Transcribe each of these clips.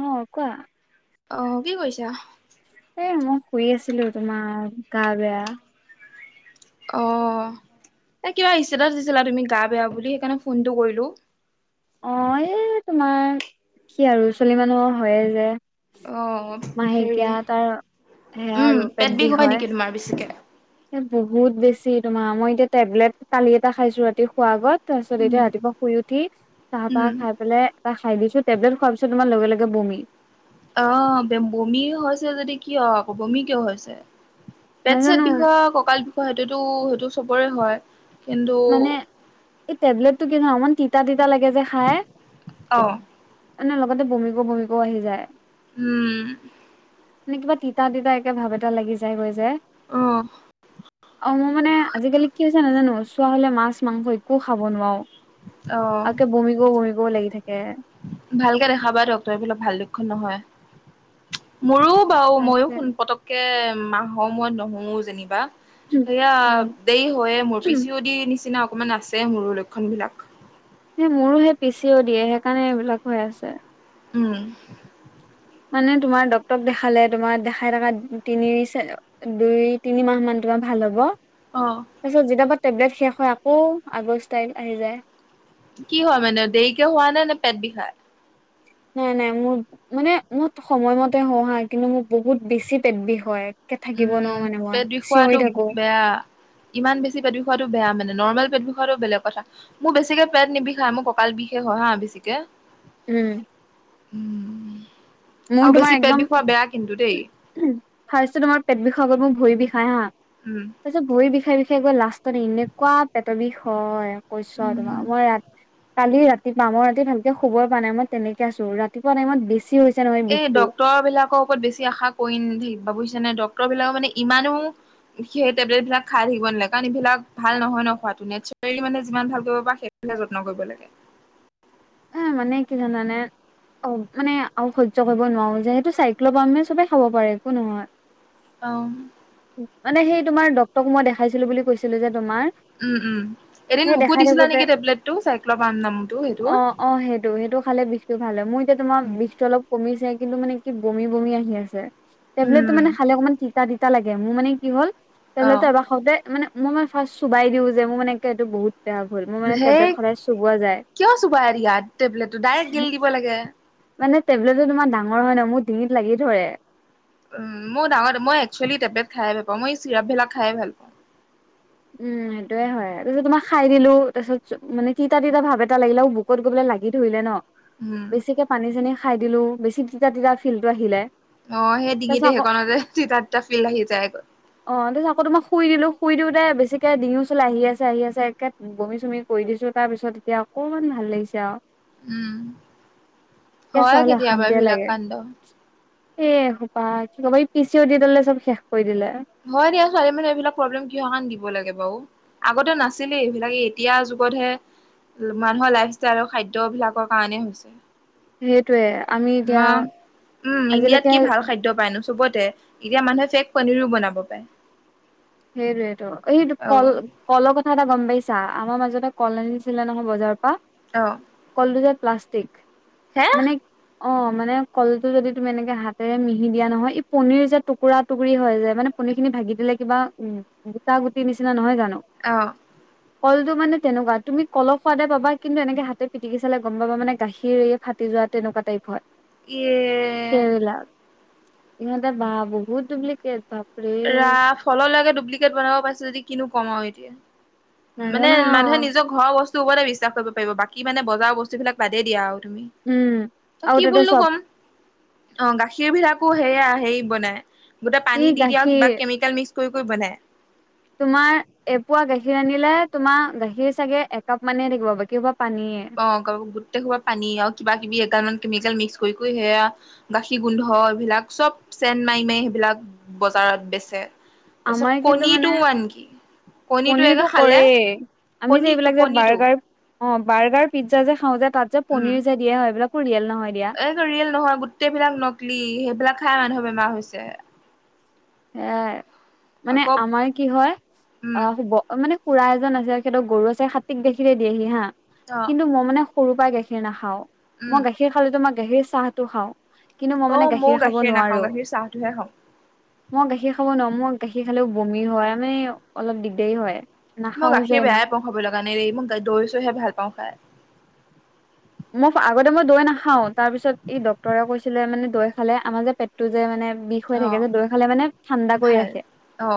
অ কোৱা অ কি কৰিছা এ মই শুই আছিলো তোমাৰ গা বেয়া অ এই কিবা ইস্তেটাছ দিছিলা তুমি গা বেয়া বুলি সেইকাৰণে ফোনটো কৰিলো অ এই তোমাৰ কি আৰু ছোৱালী মানুহ হয়ে যে অ হেৰি মাহেকীয়া তাৰ সেয়া আৰু পেট বিষ হয় তোমাৰ বেছিকে এ বহুত বেছি তোমাৰ মই এতিয়া টেবলেট কালি এটা খাইছো ৰাতি শুৱোৱাৰ আগত তাৰপিছত এতিয়া উম ৰাতিপুৱা শুই উঠি চাহ তাহ খাই পেলাই তাহ খাই দিছো টেবলেট খোৱাৰ পিছত তোমাৰ লগে লগে বমি আহ বে বমি হৈছে যদি কিয় আকৌ বমি কিয় হৈছে পেট চেট নাজানো বিষয় কঁকাল বিষয় সেইটোতো সেইটো চবৰে হয় কিন্তু মানে এই টেবলেট টো কি অকমান তিতা তিতা লাগে যে খাই অ নে লগতে বমিকোও বমিকোও আহি যায় উম নানে কিবা তিতা তিতা একে ভাৱ এটা লাগি যায় গৈ যে অ অ মই মানে আজিকালি কি হৈছে নাজানো চোৱা হলে মাছ মাংস একো খাব নোৱাৰো অ আকে বুমিকও বুমিকও লাগি থাকে ভালকে দেখাবা ডক্টৰেবিলাক ভাল লক্ষণ নহয় মোৰো বাও মইও তাকে সোন পতককে মাহৰ মই নহোওঁো যেনিবা সেয়া উম দেই হয়ে মোৰ পিচি অ দি নিচিনা অকমান আছে মোৰো লক্ষণ বিলাক স মোৰো সেই পিচিও দিয়ে সেইকাৰণে এইবিলাক হৈ আছে উম মানে তোমাৰ ডক্তৰক দেখালে তোমাৰ দেখাই থকা তিনিছে দুই তিনি মাহ মান তোমাৰ ভাল হব অ তাৰ পিছত যেতিয়াবা টেবলেট শেষ হয় আকৌ আগ অবস্থা আহি যায় কি হয় মানে দেৰিকে হোৱা নে নে পেট বিষায় নাই নাই মোৰ মানে মই সময়মতে হহা কিন্তু মোৰ বহুত বেছি পেদবি হয় একে থাকিব নোৱাৰো উম মানে মই পেট বি চিঞৰি খোৱাাতটো থাকো বেয়া ইমান বেছি পেট খোৱাটো বে মানে নৰ্মেল পেটি খোৱাটো বলেগ কথা মোৰ বেছিকে পেট নিবিষায় মোৰ কঁকাল বিষেষ হয় হা বেছিকে উম উম আৰু বেছি পেট বিষোৱা বেয়া কিন্তু দেই উ ফাৰ্ষ্ট তোমাৰ পেট বিষ আগত মোক ভৰি বিষায় হা উম তাৰপিছত ভৰিৰ বিষে বিষে গৈ লাষ্টত এনেকুৱা পেটৰ বিষ হয় কৈছ আৰু তোমাক উম। মই ৰা কালি ৰাতিপুৱা মই ৰাতি ভালকে শুবই প পৰা নাই মই তেনেকে আছো ৰাতিপুৱা টাইমত বেছি হৈ হৈছে নহয় এই বিষটো। ড্ক্তৰ বিলাকৰ ওপৰত বেছি আশা কৰি নাথাকিবা বুজিছা নে ডক্তৰ বিলাকৰ মানে ইমানো সেই টেবলেটবলাক খাই থাকিব নালাগে কাৰণ এইবিলাক ভাল নহয় ন খোৱাটো নেচাৰেলি মানে যিমান ভাল কৰিব পাৰে যত্ন কৰিব লাগে এই মানে কি জানা নে অ মানে আৰু সহ্য কৰিব নোৱাৰো যেহেতু চাইক্লবামে সবেই খাব পাৰে একো নহয় অ মানে সেই তোমাৰ ডটক মই দেখাইছিলো বুলি কৈছিলো যে তোমাৰ উম উম এদিন সেই মোকো দেখাই দিছিলা থাকোতে নেকি টেবলেটটো চাই্ নামুটো অ সেইটোৰ অ সেইটো সেইটো খালে বিজটো ভাল হয় মোৰ এতিয়া তোমাৰ বিজটো অলপ কমিছোই কিন্তু মানে কি বমি বমি আহি আছে টেবলেট উম মানে খালে অকমান ঠিক তিা দিতা লাগে মোৰ মানে কি হল তেওঁলো অ এবাৰ সদায় মানে মই মানে ফাৰ্ষ্ট চুবাই দিওঁ যে মোৰ মানে কিে এইটো বহুত বেয়া ভুল মোৰ মানে সেই টেবলেট সদাই চুবোৱা যায়। কিয় চোবাই দিয়া টেবলেটটো? ডাইৰেক্ট গিলি দিব লাগে। মানে টেবলেটো তোমাৰ ডাঙৰ হয় ন' মোৰ ডিঙিত লাগি ধৰে। উম, মোৰ ডাঙৰ মই এক্সুৱেলি টেবলেট খাই ভাল নাপাওঁ। মই চিৰাপবিলাক খাই ভাল পাওঁ। উম, সেইটোৱে হয়। তাৰপিছত তোমাৰ খাই দিলো তাৰপিছত মানে তিতা তিতা ভাৱ এটা লাগিলে মোৰ বুক্ বুকুত গৈ পেলাই লাগি ধৰিলে ন'। উম বেছিকে পানী-চানী খাই দিলো, বেছি তিতা তিতা ফীলটো আহিলে। অঁ, সেই তাৰপিছত ডিঙিতে আকৌ সেইকণতে হেঁহ্ তিতা তিতা ফীল আহি যায় আক '। অঁ, তাৰপিছত আকৌ তোমাৰ শুই দিলো, শুই দিওঁতে বেছ বেছিকে ডিঙি ওচলে আহি আছে, আহি আছে একে বমি-চমি কৰি দিছো তাৰপিছত এতিয়া অকমান ভাল লাগিছে আৰু। উম কে হয় চোৱা হ'লে কেতিয়াবা অশান্তিয়ে এইবিলাক লাগে। কাণ্ড এ সোপা কি ক'ব, এই পি চি অ' দি ডালে চব শেষ কৰি দিলে। হয় দিয়া। ছোৱালী মানে এইবিলাক প্ৰব্লেম কিহৰ কাৰণে দিব লাগে বাৰু? আগতেও নাছিলেই এইবিলাকে এই এতিয়া যুগতহে মানুহৰ লাইফ ষ্টাইল আৰু খাদ্য অভ্যাসৰ কাৰণে হৈছে। সেইটোয়ে আমি এতিয়া অঁ, উম ইণ্ডিয়াত আজিলৈকে কি ভাল খাদ্ খাদ্য পাইনো চবতে এতিয়া মানুহে ফেক পনীৰো বনাব পাৰে। সেইটোৱেটো, সেইটো অ কল কলৰ কথা এটা গম পাইছা? আমাৰ মাজতে কল আনিছিলে নহয় বজাৰৰ পৰা। অঁ। কলটো যে প্লাষ্টিক মানে অঁ, মানে কলটো যদি তুমি এনেকে হাতেৰে মিহি দিয়া নহয় ই পনিৰ যে টুকুৰা-টুকুৰি হৈ যায়। মানে পনীৰখিনি ভাগি দিলে কিবা উম, উম গোটা-গুটি নিচিনা নহয় জানো? অঁ। কলটো মানে তেনেকুৱা। তুমি কলৰ সোৱাদে পাবা কিন্তু এনেকে হাতে পিটিকি চালে গম পাবা মানে গাখীৰ এই ফাট্ ফাটি যোৱা তেনেকুৱা টাইপ হয় ই সেইবিলাক। ইহঁতেৰ বা বহুত ডুপ্লিকেট বাপ্ ৰা ফলৰলৈকে ডুপ্লিকেট বনাব পাৰিছে যদি কিনো কম আও এতিয়া। মানে নাজানো মানুহে আও নিজক ঘৰৰ বস্তু ওপতে বিশ্বাস কৰিব পাৰিব। বাকী মানে বজাৰৰ বস্তুবিলাক বাদে দিয়া আৰু তুমি। উম ত' আৰু কি তাতে বুলিনো চব কম? অঁ, গাখীৰ বিলাকো সেয়া হেৰি বনাই, গোটেই ই পানী দি দিয়ে আৰু কিবা গাখীৰ কেমিকেল মিক্স কৰি কৰি বনায়। তোমাৰ এপোৱা গাখীৰ আনিলে তোমাৰ গাখীৰ চাগে একাপ মানেই থাকিব বাকীসোপা পানীয়ে। অ, গ্ গোটেইসোপা পানী আৰু কিবা-কিবি এগাল মান কেমিকেল মিক্স কৰি কৰি সেয়া গাখীৰ গোন্ধ এইবিলাক চব চেন মাৰি মাৰি সেইবিলাক বজাৰত বেচে। তাৰপিছত আমাৰ কিন্তু মানে কণীটো আনকি কণীটো একে পনিৰটো খালে কৰেই। আমি যে কণীটো এইবিলাক যে কণীটো বাৰ্গাৰ অঁ, বাৰ্গাৰ, পিজ্জা যে খাওঁ যে তাত যে পনিৰ যে দিয়া হয় এইবিলাকো ৰিয়েল নহয় দিয়া। এইটো ৰিয়েল নহয় গোটেই বিলাক নকলি সেইবিলাক খাই মানুহে বেমাৰ হৈছে। এ মানে, আকৌ আমাৰ কি হয় উম অঁ শুব অ মানে খুড়া এজন আছে আৰু সিহঁতৰ গৰু আছে হাতীক দেখিলে দিয়েহি হাঁ অ কিন্তু মই মানে সৰু পৰাই গাখীৰ নাখাওঁ। উম মই গাখীৰ খালেটো মই গাখীৰ চাহটো খাওঁ। কিন্তু মই অ মানে ময়ো গাখীৰ খাব নাখাওঁ নোৱাৰোঁ। গাখীৰ চাহটোহে খাওঁ। মই গাখীৰ খাব নোৱাৰোঁ। মোৰ গাখীৰ খালেও বমি হয় মানে, অলপ দিগদাৰী হয়। মই নাখাও যে গাখীৰ ইমান বেয়াই পাওঁ খাবলে কাৰণে দেই, মই দৈ চৈহে ভাল পাওঁ খাই। মই আগতে মই দৈ নাখাও, তাৰ পিছত ই ডক্তৰে কৈছিলে মানে দৈ খালে আমাৰ যে পেটটো যে মানে বি ষ হৈ অ থাকে যে দৈ খালে মানে ঠাণ্ডা কৰি ভাল ৰাখে। অ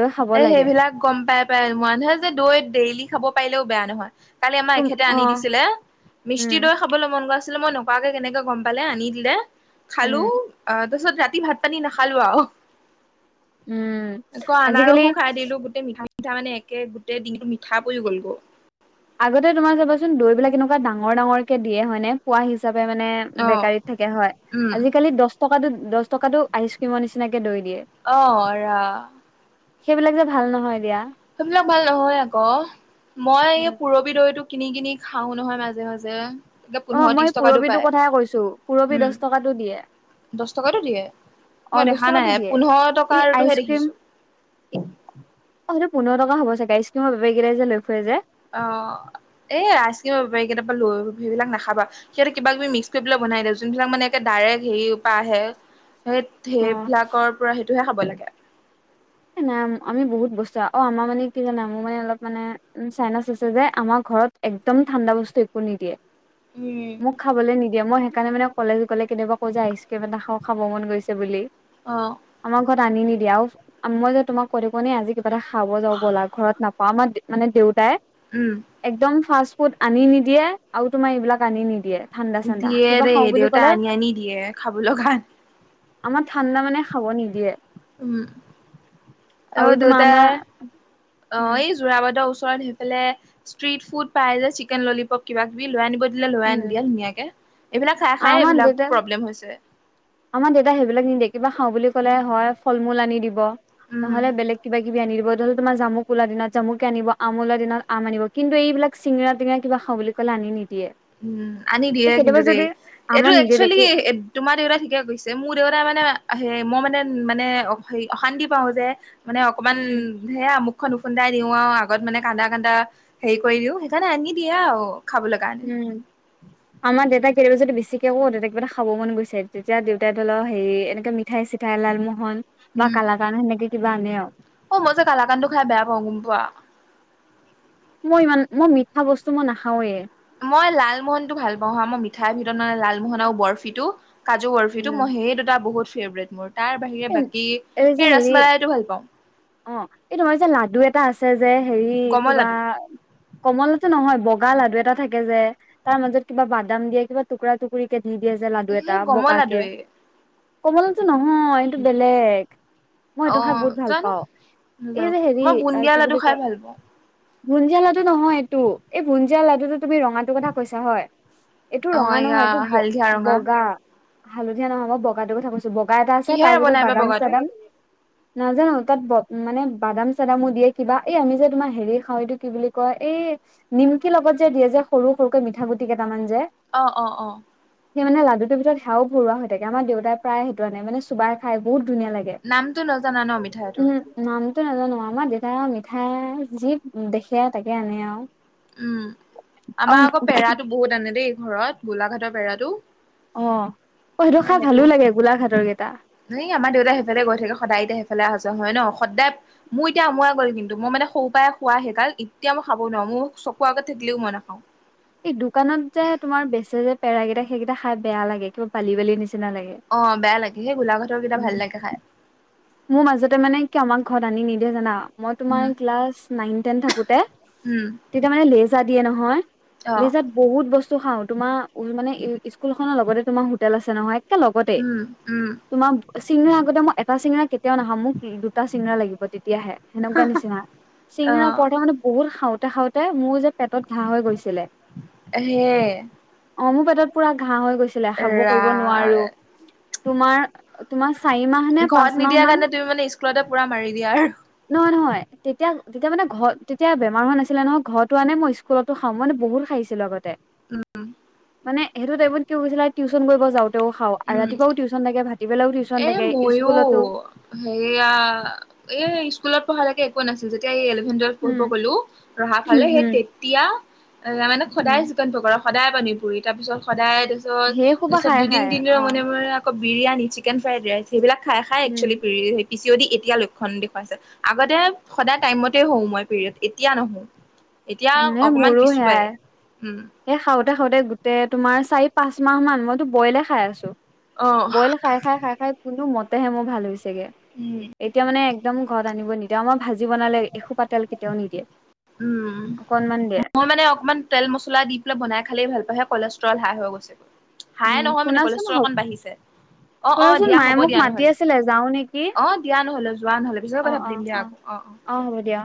দৈ খাব এই লাগে। সেইবিলাক গম পাই পাই মানুহে যে দৈ ডেইলি খাব পাৰিলেও বেয়া নহয়। কালি আমাৰ তুম এখেতে অ আনি দিছিলে মিষ্টি উম দৈ খা বলৈ মন গৈ আছিলে মই নোকোৱাকৈ কেনেকে গম পালে আনি দিলে খালো উম অ' তাৰপিছত ৰাতি ভাত পানী নাখালো আৰু, উম আকৌ আজিকালি আনাৰসো খাই দিলো গোটেই মিঠা তাৰ মানে একে গোটেই দিনটো মিঠা পৰি গল গ' আগতে তোমাৰ চাবাচোন দৈবিলাক এনেকুৱা ডাঙৰ ডাঙৰকে দিয়ে হয় নে পোৱা হি চাপে মানে অ বেকাৰীত থাকে হয়, উম আজিকালি দহ টকাতো দহ টকাটো আইচক্ৰীমৰ নিচিনাকে দৈ দিয়ে। অঁ, ৰা। সেইবিলাক যে ভাল নহয় দিয়া। সেইবিলাক ভাল নহয় আক' মই এই উম, পূৰ বি দৈটো কিনি কিনি খাও নহয় মাজে মাজে। এতিয়া অ পোন্ধৰ, মই ত্ৰিশ টকাতটো পুৰবিটো পায়। কথাই কৈছো পুৰবি দহ উম, টকাতো দিয়ে দহ টকাতটো দিয়ে। অ মই দহ দেখা নাই টকাতো দিয়ে পোন্ধৰ এই টকাৰটোহে আইচক্ৰীম দেখিছো। অঁ সেইটো পোন্ধৰ টকা হ'ব চাগেল আইচক্ৰীমৰ বেপাৰীকেইটাই যে লৈ ফুৰে যে। অঁ, এই আইচক্ৰীমৰ বেপৰীকেইটাৰ পৰা লৈ সেইবিলাক নাখাবা। সিহঁতে কিবা কিবি মিক্স কৰি পেলাই বনাই দিয়ে। যোনবিলাক মানে এ ডাইৰেক্ট হেৰি পৰা আহে সেই সেইবিলাকৰ পৰা সেইটোহে খাব লাগে। এ নাই আমি বহুত বস্তু অ আমাৰ মানে কি জানা মোৰ মানে অলপ মানে চাইনাচ আছে যে, আমাৰ ঘৰত একদম ঠাণ্ডা বস্তু একো নিদিয়ে। উম মোক খাবলৈ নিদিয়ে মই সেইকাৰণে মানে কলেজ গ'লে কেতিয়াবা কওঁ যে আইচক্ৰীম এটা খাও খাব মন গৈছে বুলি। অঁ'। আমাৰ ঘৰত আনি নিদিয়া আৰু মই যে তোমাক কৈ থাকো ন আজি কিবা এটা খাব যাওঁ ব'লা, ঘৰত নাপাওঁ আমাৰ মানে দেউতাই উম। একদম ফাষ্ট ফুড আনি নিদিয়ে আৰু তোমাৰ এইবিলাক আনি নিদিয়ে। ঠাণ্ডা চাণ্ডা দিয়ে কিবা দেই খাওঁ বুলি দেউতাই ক'লে আনি আনি দিয়ে খাব লৈ কাৰণ। আমাৰ ঠাণ্ডা মানে খাব নিদিয়ে। উম, আৰু আমাৰ তোমাৰ দেউতাই, অ' উম এই জোৰাবাতৰ ওচৰত সেইফালে ষ্ট্ৰিট ফুড পাই যে চিকেন ললিপপ কিবা কিবি লৈ আনিব দিলে লৈ উম আনি দিয়ে ধুনীয়াকে, এইবিলাক খাই খাই আমাৰ এইবিলাক দেউতা প্ৰব্লেম হৈছে। আমাৰ দেউতাই সেইবিলাক নিদিয়ে কিবা খাওঁ বুলি ক'লে হয়, ফল মূল আনি দিব উম নহলে বেলেগ কিবা কি বি আনি দিব ধৰি লোৱা তোমাৰ জামুক ওলোৱা দিনত জামুকে আনি দিব আম ওলোৱা দিনত আম আনিব, কিন্তু এইবিলাক চিঙৰা, টিঙৰা কিবা খাও বুলি কলে আনি নিদিয়ে। উম, আনি এই দিয়ে কিন্তু কেতিয়াবা দেই যদি এইটো আমাৰ নিদিয়ে একচুৱেলি দেখি এ তোমাৰ দেউতা ঠিকে কৰিছে, মোৰ দেউতাই মানে হে মই মানে, মানে অশান্তি পাওঁ যে মানে অকমান উম সেয়ামুখখন উফুন্দাই দিও আৰু আগত মানে কান্দা কান্দা হেৰি কৰি দিও সেইকাৰণে আনি দিয়ে আৰু খাবলৈ কাৰণে। উম আমাৰ দেউতাক কেতিয়াবা যদি বেছিকে কওঁ দেউতা কিবা এটা খাব মন গৈছে, তেতিয়া দেউতাই ধৰি ল'ক হেৰি এনেকে মিঠাই, চিঠাই লালমোহন বা উম কালাকান সেনেকে কিবা আনে আৰু। অ মই যে কালাকানটো খাই বেয়া পাওঁ, গম পোৱা। মই ইমান, মই মিঠা বস্তু মই নাখাওৱে। মই লালমোহনতটো ভাল পাওঁ হা, মই মিঠাই ভিতৰতে লালমোহন আৰু বৰফিটো কাজু বৰফিটো মই সেই দুটা বহুত ফেভৰেট মোৰ তাৰ বাহিৰে এই বাকী যে এই হেৰি ৰাচমলাইটো ভাল পাওঁ অ এই তোমাৰ যে লাডু এটা আছে যে হেৰি গমৰ কিবা লাডু কমলাটো নহয় বগা লাডু এটা থাকে যে তাৰ মাজত কিবা বাদাম দিয়ে কিবা টুকুৰা-টুকুৰি কে দি দিয়ে যে লাডু এটা সেই গমৰ বগা কে লাডুৱে কমলাতো নহয় এইটো বেলেগ মই অ সেইটো খাই বহুত ভাল জানো পাওঁ এই নাজানো যে হেৰি মই আ বুন্দিয়া কি লাডু বুলি খাই কয় ভাল পাওঁ ভুঞ্জিজিয়া লাডু নহয় এইটো এই ভুঞ্জিজিয়া লাডুটো তুমি ৰঙাটোৰ কথা কৈছা হয় এইটো অ ৰঙা এয়া নহয়, এইটো ব হালধীয়া ৰঙা বগা হালধীয়া নহয়, মই বগাটো কথা কৈছো, বগা এটা আছে তাৰ কিহেৰে ভিতৰত বনাই বা বগাটো বাদাম-চাদাম নাজানো তাত ব উ মানে বাদাম-চাদামো দিয়ে কিবা এই আমি যে তোমাৰ হেৰি খাওঁ এইটো কি বুলি কয় এই নিমকি লগত যে দিয়ে যে সৰু সৰুকে মিঠা গুটি কেইটামান যে অ অ অ এনেকে মানে লাডুটোৰ ভিতৰত সাও ভৰোৱা হৈ থাকে আমা দেউতাই প্ৰায় সেইটো আনে মানে চুবাই খাই বহুত ধুনীয়া লাগে নামটো নজানা ন মিঠাইটোৰ উম নামটো নাজানো আমাৰ দেউতাই আও মিঠাই যি দেখে তাকে আনে আৱ উম আমাৰ আকৌ পেৰাটো বহুত আনে দেই ঘৰত গোলাঘাটৰ পেৰাটো অ অ সেইটো খাই ভালো লাগে গোলাঘাটৰ কেটা এ আমাৰ দেউতাই সেইফালে গৈ থাকে সদায় এতিয়া সেইফালে অহা যোৱা হয় ন সদায় মোৰ এতিয়া আমোৱাই গ'ল কিন্তু মই মানে সৰু পৰাই খোৱা সেইকাৰণে এতিয়া মই খাব নোৱাৰো মোৰ চকু আগত থাকিলেও মই নাখাওঁ এই দোকানত যে তোমাৰ বেচে যে পেৰাকেইটা সেইকেটা খাই বেয়া লাগে কিবা বালি বালি নিচিনা লাগে অ বেয়া লাগে সেই গোলাঘাটৰ কেইটা উম ভাল লাগে খাই মোৰ মাজতে মানে কি আমাক ঘৰত আনি নিদিয়ে জানা মই তোমাৰ উম ক্লাছ নাইন, টেন থাকোতে উম তেতিয়া মানে লেজ দিয়ে নহয় অ লিজাত বহুত বস্তু খাও তোমাৰ উ মানে স্কুল এখনৰ লগতে তোমাৰ হোটেল আছে নহয় একে লগতে উম উম তোমাৰ চিঙৰা আগতে মই এটা চিঙৰা কেতিয়াও নাখাওঁ মোক দুটা চিঙৰা লাগিব তেতিয়াহে সেনেকুৱা নিচিনা অ চিঙৰা প্ৰথমতে বহুত খাওঁ খাওঁতে মোৰ যে পেটত ঘাঁ হৈ গৈছিলে এহে অ মোৰ পেটত পুৰা ঘাঁ হৈ গৈছিলে খাব ৰা কৰিব নোৱাৰো তোমাৰ তোমাৰ চাৰি মাহ নে, পাঁচ মাহ দিয়াৰ মান কাৰণে তুমিমানে স্কুলতে পুৰা মাৰি দিয়া আৰু নহয় নহয় তেতিয়া তেতিয়া মানে ঘৰ তেতিয়া বেমাৰ হোৱা নাছিলে নহয় ঘৰটো আনে মই স্কুলতো খাওঁ মই মানে বহুত খাইছিলো আগতে উম উম মানে সেইটো টাইমত কি হৈছিলে টিউচন কৰিব যাওঁ তেও খাওঁ আৰু উম ৰাতিপুৱাও টিউচন থাকে, ভাতি বেলাও টিউচন থাকে স্কুলত সেইয়া এই স্কুলত পঢ়ালৈকে একোৱে নাছিল যেতিয়া এই পঢ়িব উম গলো ৰহা উম ফালে সেই উম তেতিয়া এ মানে উম সদায় চিকন পকৰা সদায় পানী পুৰি, তাৰপিছত সদায় তাৰপিছত সেই সোপা তাৰপিছত খাই দুদিন খাই অ তিনিদিনৰ মনে মনে আকৌ বিৰিয়ানী, চিকেন ফ্ৰাইড ৰাইচ, সেইবিলাক খাই খাই উম actually P C O D এতিয়া লক্ষণ দেখুৱাইছে আগতে সদায় টাইমতে হও মই পিৰিয়ডচ এতিয়া নহও এতিয়া উম এ অকমান মোৰো পিছুৱাই সেয়াই উম সেই খাওতে খাওতে গোটেই তোমাৰ চাৰি পাঁচ মাহ মান মইতো বইলে খাই আছো অ বইলে খাই খাই খাই খাই কোনো মতেহে মোৰ ভাল হৈছেগে উম এতিয়া মানে একদম ঘৰত আনিব নিদিয়ে, আমাৰ ভাজি বনালে এসোপা তেল কেতিয়াও নিদিয়ে। উম অকনমান দিয়ে মই মানে অকমান তেল মছলা দি পেলাই বনাই খালেই ভাল পাও সে কলেজ ট্ৰল হাই গৈছে গৈ, উম হা'ই নহয় মানে শুনাচোন হ কলেষ্ট্ৰল অকণ বাঢ়িছে। অ অ শুনাচোন দিয়া মায়ে হব মোক দিয়া মাতি নহলে আছিলে যাও নেকি অ দিয়া নহলে যোৱা নহলে পিছতকে অ কথা অ পাতিম দিয়া আকৌ অ অ অ' হ'ব দিয়া।